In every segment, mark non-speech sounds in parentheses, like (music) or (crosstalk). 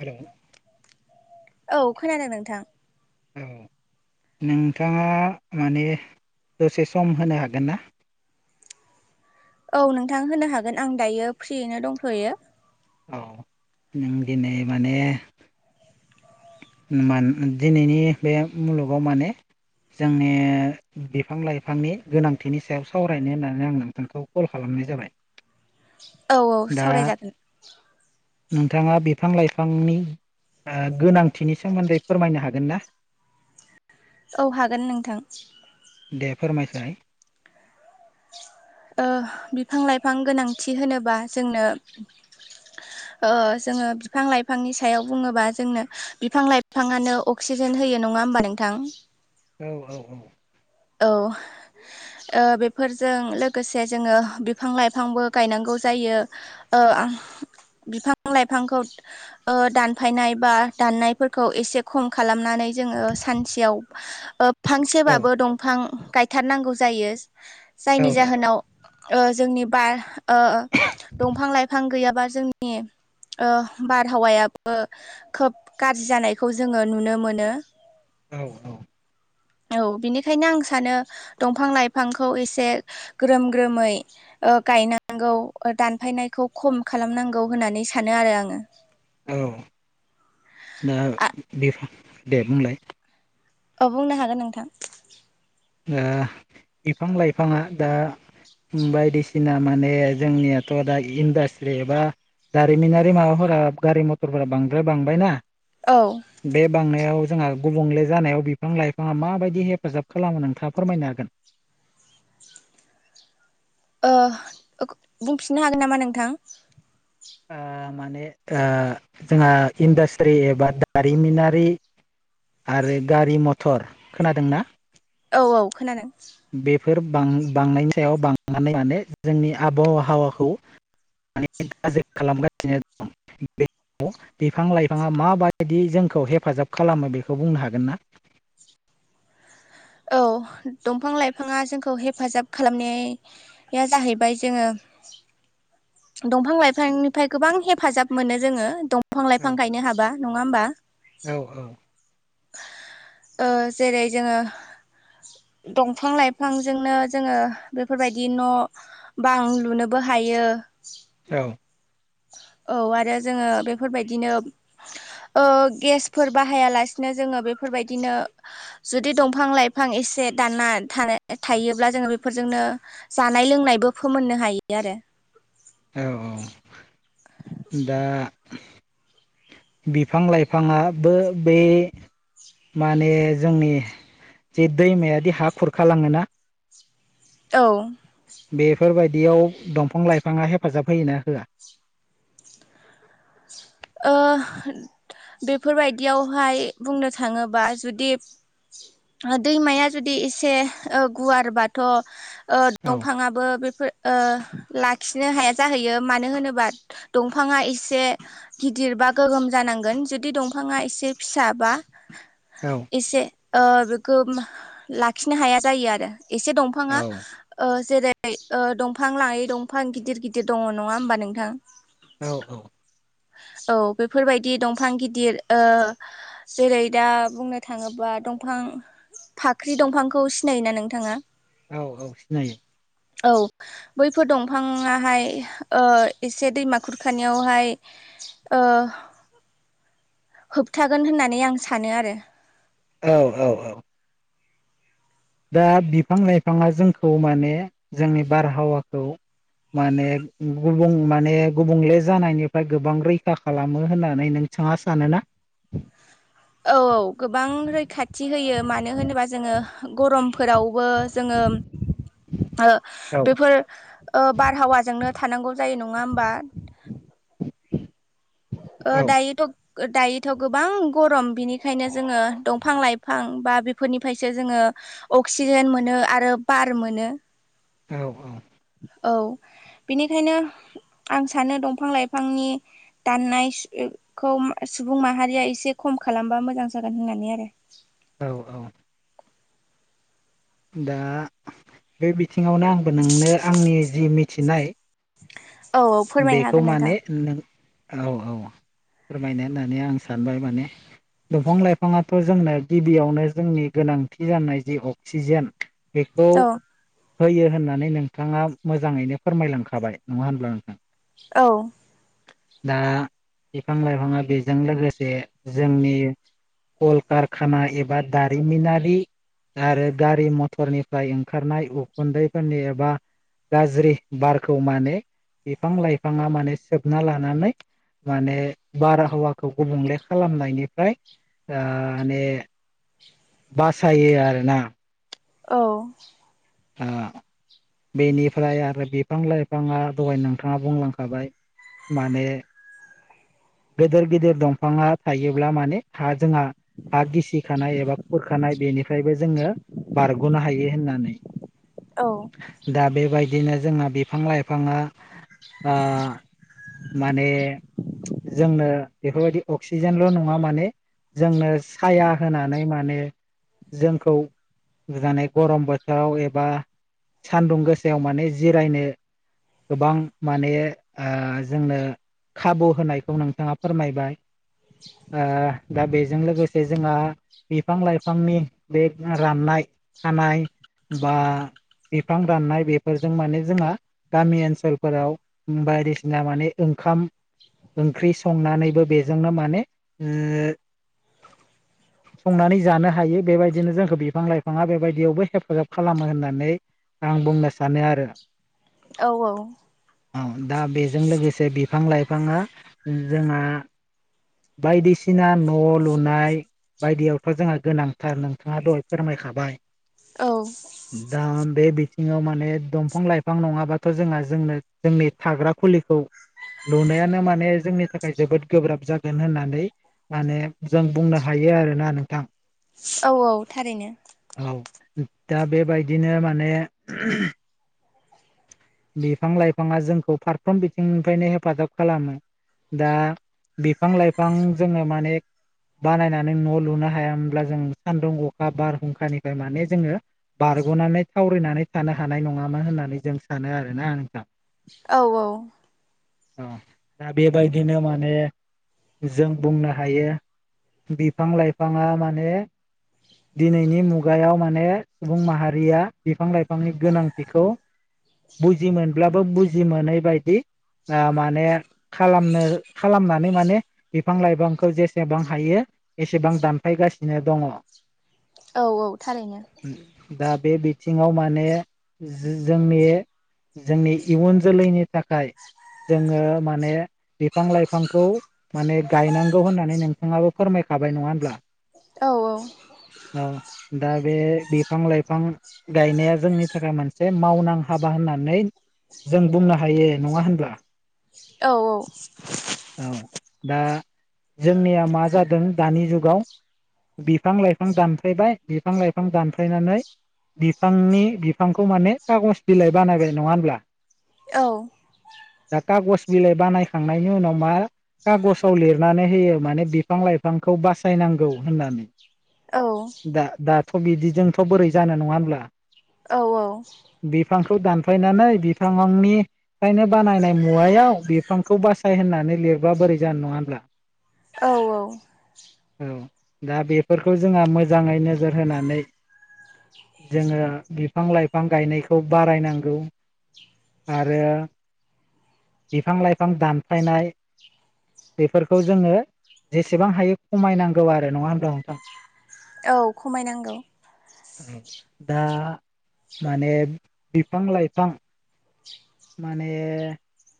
हेल'। औ खोनादों नोंथां। औ नोंथाङा माने दसे सम होनो हागोन ना (inaudible) औ नोंथां होनो हागोन आं दायो फ्रियैनो दंथ'यो। ओ दिनै माने। मन दिनैनि बे मुलुगाव माने जोंनि बिफां लाइफांनि गोनांथिनि सायाव सावरायनो होननानै आं नोंथांखौ कल खालामो नाय जाबाय औ औ दा सावरायजागोन नोंथाङा बेभो बिफां लाइफांनि गोनांथिनि सोमोन्दै फोरमायनो हागोन ना औ हागोन नोंथां दे फोरमायसाय बिफां लाइफां गोनांथि होनोबा जोंनो जोङो बिफां लाइफांनि सायाव बुङोबा जोंनो बिफां लाइफाङानोनो अक्सिजेन होयो नङा होनबा नोंथां औ औ औ औ बेफोरजों लोगोसे जोङो बिफां लाइफांबो गायनांगौ जायो आ बिफां लाइफांखौ दानफायनाय बा दाननायफोरखौ एसे खम खालामनानै जोङो सानसेआव औ फांसेबाबो दंफां गायथारनांगौ जायो औ जायनि जाहोनाव जोंनि बार दंफां लाइफां गैयाबा जोंनि बारहावायाबो खोब गाज्रि जानायखौ जोङो नुनो मोनो औ औ औ बिनि बेखायनो आं सानो दंफां लाइफांखौ एसे ग्रोम ग्रोमै गायनांगौ दानफायनायखौ खम खालामनांगौ होननानै सानो आरो आङो औ दा आ बेफ दे बुंलाय अ बुंनो हागोन नोंथां द बिफां लाइफाङा दा बायदिसिना माने जोंनियाथ' दा इन्डास्ट्रिबा जारिमिनारि माबाफोरा गारि मथरफोरा बांद्राय बांबाय ना औ बे बांनायाव जोंहा गुबुंले जानायाव बिफां लाइफाङा माबायदि हेफाजाब खालामो नोंथाङा फोरमायनो हागोन ओ बुंफिननो हागोन नामा नोंथां माने जोंहा इन्डास्ट्रि एबा दारिमिनारि आरो गारि मथर खोनादोंना औ औ खोनादों बेफोर बांनायनि सायाव बांनानै माने जोंनि आबहावाखौ मान गाज्रि खालामगासिनो दं बे बिफां लाइफाङा माबायदि जोंखौ हेफाजाब खालामो बेखौ बुंनो हागोन ना (inaudible) औ दंफां लाइफाङा जोंखौ हेफाजाब खालामनाया जाहैबाय जोङो (inaudible) दंफां लाइफांनिफ्राय गोबां हेफाजाब मोनो जोङो दं दंफां औ लाइफां गायनो हाबा नङा होमबा औ औ ओ जेरै जोङो दंफां लाइफांजोंनो जोङो बेफोरबायदि न' बां लुनोबो हायो हायो ओं औ आरो जोङो बेफोरबायदिनो गेसफोर बाहायालासिनो जोङो बे बेफोरबायदिनो जुदि दंफां लाइफां एसे दाननाानो थायोब्ला जोङो बेफोरजोंनो जानाय लोंनायबो फोमोननो हायो आरो औ औ दा बिफां लाइफाङाबो बे माने जोंनि जि दैमायादि हा खुरखालाङोना औ। बेफोरबायदि याव दंफां लाइफाङा हेफाजाब होयोना होआ बेफोरबायदियावहाय बुंनो थाङोबा जुदि दैमाया जुदि एसे गुवार बाथ' औ दंफाङाबो बेफोर लाखिनो हाया जाहैयो मानो होनोबा दंफाङा एसे गिदिर बा गोगोम जानांगोन जुदि दंफाङा एसे फिसााबा औ एसे बेखौ लाखिनो हाया जायो आरो एसे दंफाङा औ जेरै दंफां लाङै दंफां गिदिर गिदिर दङ नङा होमबा नोंथां औ औ। औ बेफोरबायदि दंफां गिदिर जेरै दा बुंनो थाङोबा दंफां फाख्रि दंफांखौ सिनायोना नोंथाङा औ औ सिनायो औ बैफोर दंफाङाहाय एसे दैमा खुरखानायावहाय होबथागोन होननानै आं सानो आरो औ औ औ दा बिफां लाइफाङा जोंखौ माने जोंनि बारहावाखौ माने गुबुं माने गुबुंले जानायनिफ्राय गोबां रैखा खालामो होननानै नों थाङासो सानोना औ औ गोबां रैखाथि होयो मानो होनोबा जोङो गरमफोरावबो जोङो औ बेफोर बारहावाजोंनो थानांगौ जायो नङा होमबा अ औ दायोथ' दायथ' गोबां गरम बिनिखायनो जोङो दंफां लाइफां बा बेफोरनिफ्रायसो जोङो अक्सिजेन मोनो आरो बार मोनो। औ औ बेनिखायनो आं सानो दंफां लाइफांनि दाननायखौ सुबुं माहारिया एसे खम खालामबा मोजां जागोन होननानै आरो औ औ। दा बे बिथिङावनो आंबो नोंनो आंनि जि मिथिनाय औ औ फोरमायनो बेखौ हागोन माने नोंथां नों औ औ फोरमायनो होननानै आं सानबाय माने दंफां लाइफाङा थ' जोंनो गिबियावनो जोंनि गोनांथि जानाय जि अक्सिजेन बेखौ औ होयो होननानै नोंथाङा मोजाङैनो फोरमायलांखाबाय नङा होनब्ला नोंथां औ। दा बिफां लाइफाङा बेजों लोगोसे जोंनि कलकारखाना एबा दारिमिनारि आरो गारि मथ'रनिफ्राय ओंखारनाय उखुन्दैफोरनि एबा गाज्रि बारखौ माने बिफां लाइफाङा माने सोबना लानानै माने बारहावाखौ गुबुंले खालामनायनिफ्राय माने बासायो आरोना औ। (inaudible) बेनिफ्राय आरो बिफां लाइफाङा दहायनो नोंथाङा बुंलांखाबाय माने गेदिर गिदिर दंफाङा थायोब्ला माने हा जोंहा हा-गिसिखानाय एबा खुरखानाय बेनिफ्रायबो जोङो बारग'नो हायो। होननानै दा बेबायदिनो जोंना बिफां लाइफाङा। ओ-माने नो बेफोरबायदि अक्सिजेनल' नङा माने जोंनो साया होनानै माने जोंखौ गोजाने गरम बोथोराव एबा सान्दुं गोसायाव माने जिरायनो गोबां माने ओ-जोंनो खाबु होनाय -खौ नोंथाङा फोरमायबाय। ओ-दा बेजों लोगोसे जोंहा बिफां लाइफांनि बे राननाय। थानाय बा बिफां दाननाय बेफोरजों माने जोंहा गामि ओनसोलफोराव बायदिसिना माने ओंखाम ओंख्रि संनानैबो बेजोंनो माने संनानै जानो हायो बेबायदिनो जोंखौ बिफां लाइफाङा बेबायदियावबो हेफाजाब खालामो होननानै। आं बुंनो सानो आरो। औ औ औ दा बेजों लोगोसे बिफां लाइफाङा जोंहा बायदिसिना न' लुनाय, बायदियावथ' जोंहा गोनांथार नोंथाङा दहाय फोरमायखाबाय औ दा। बे बिथिङाव माने दंफां लाइफां नङाबाथ' जोंहा जोंनो जोंनि थाग्रा खुलिखौ। लुनायानो माने जोंनि थाखाय जोबोद गोब्राब जागोन होननानै माने जों बुंनो हायो आरोना नोंथां। औ औ थारैनो। औ दा बेबायदिनो माने बिफां लाइफाङा जोंखौ फारफ्रोम बिथिंनिफ्रायनो हेफाजाब खालामो। दा बिफां लाइफां जोङो माने, बानायनानै न' लुनो हाया हब्ला जों सान्दुं अखा बारहुंखानिफ्राय माने जोङो बार बारग'नानै थावरिनानै थानो हानाय नङामोन होननानै जों सानो आरोना नोंथां। औ औ अ दा बे बायदिनो माने जों बुंनो हायो बिफां लाइफाङा माने दिनैनि मुगायाव माने सुबुं माहारिया बिफां लाइफांनि गोनांथिखौ। बुजि मोनब्लाबो बुजि मोनै बायदि। ओ-माने खालामनो खालामनानै माने बिफां लाइफांखौ जेसेबां हायो। एसेबां दानफायगासिनो दङ। औ औ थारैनो। दा बे बिथिङाव माने जो-जोंनि, जोंनि इयुन जोलैनि थाखाय। जोङो माने बिफां लाइफांखौ माने गायनांगौ होननानै नोंथाङाबो फोरमाय खाबाय नङा होनब्ला? औ औ औ दा बे बिफां लाइफां गायनाया जोंनि थाखाय मोनसे मावनां हाबा होननानै जों बुंनो हायो नङा होनब्ला? औ औ औ दा जोंनिया मा जादों दानि जुगाव। बिफां लाइफां दानफायबाय बिफां लाइफां दानफायनानै बिफांनि बिफांखौ माने खागज बिलाइ बानायबाय नङा होमब्ला? (unintelligible) दा खागज बिलाइ बानायखांनायनि उनाव मा खागजाव लिरनानै होयो माने बिफां लाइफांखौ बासायनांगौ होननानै। औ दा दाथ' बिदिजोंथ' बोरै जानो नङा होमब्ला? औ बिफांखौ दानफायनानै बिफांनिफ्रायनो बानायनाय मुवायाव बिफांखौ बासाय होननानै लिरबा बोरै जानोनङा होनब्ला? औ औ दा बेफोरखौ जोंहा मोजाङै नोजोर होनानै जोङो बिफां लाइफां गायनायखौ खौ बारायनांगौ आरो बिफां लाइफां दानफायनाय बेफोरखौ जोंङो जेसेबां हायो खमायनांगौ आरो नङा होनब्ला नोंथां? औ खमायनांगौ। दा माने बिफां लाइफां माने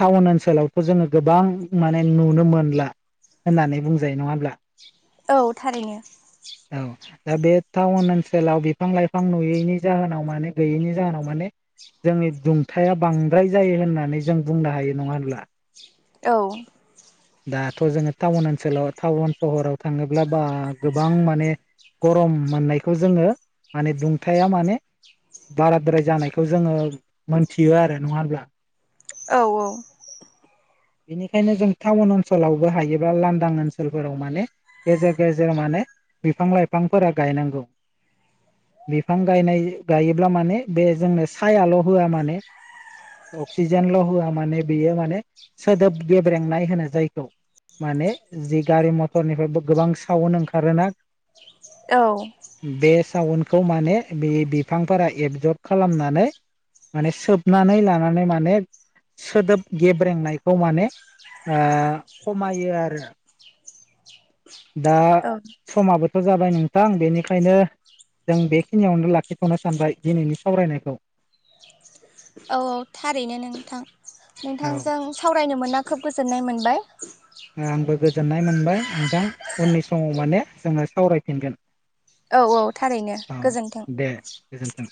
टाउन ओनसोलावथ' जोङो गोबां माने नुनो मोनला होननानै बुंजायो नङा होमब्ला? औ थारैनो औ दा बे टाउन ओनसोलाव बिफां लाइफां नुयैनि जाहोनाव माने गैयैनि जाहोनाव माने जोंनि दुंथाया बांद्राय जायो होननानै जों बुंनो हायो नङा होनब्ला? औ। दाथ' जोङो टाउन ओनसोलाव टाउन सहराव थाङोब्ला बा गोबां माने गरम मोननायखौ जोङो माने दुंथाया माने बाराद्राय जानायखौ जोङो मोनथियो आरो नङा होमब्ला? औ औ। बेनिखायनो जों टाउन ओनसोलावबो हायोबा लांदां ओनसोलफोराव माने गेजेर गेजेर माने बिफां लाइफांफोरा गायनांगौ बिफां गायनाय गायोब्ला माने बे जोंनो सायाल' होआ माने अक्सिजेनल' होआ माने बेयो माने सोदोब गेब्रेंनाय होनो जायखौ माने जि गारि मथरनिफ्राय गोबां सावन ओंखारोना बेस साउनखौ माने बे बिफांफोरा एबजर्ब खालामनानै माने सोबनानै लानानै माने सोदोब गेब्रेंनाय खौ माने ओ खमायो आरो दा औ समाबोथ' जाबाय नोंथां बेनिखायनो जों बेखिनियावनो लाखिथ'नो सानबाय दिनैनि सावरायनायखौ। औ थारैनो नोंथां औ नोंथांजों सावरायनो मोनना खोब गोजोननाय मोनबाय आंबो गोजोननाय मोनबाय नोंथां उननि समाव माने जोङो सावरायफिनगोन। औ औ थारैनो औ गोजोन्थों। दे गोजोन्थों